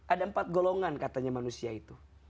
ada empat golongan katanya manusia itu